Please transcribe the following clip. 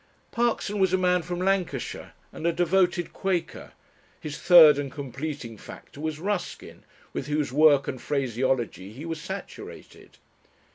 Parkson was a man from Lancashire, and a devout Quaker; his third and completing factor was Ruskin, with whose work and phraseology he was saturated.